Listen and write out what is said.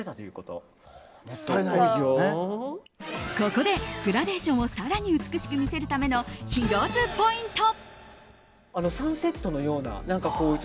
ここでグラデーションを更に美しく見せるためのヒロ’ｓポイント。